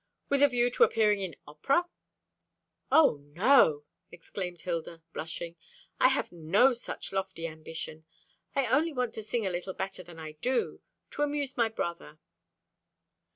"With a view to appearing in opera?" "O, no," exclaimed Hilda, blushing; "I have no such lofty ambition. I only want to sing a little better than I do to amuse my brother."